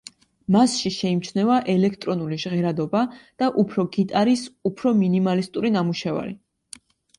მასში შეიმჩნევა ელექტრონული ჟღერადობა და უფრო გიტარის უფრო მინიმალისტური ნამუშევარი.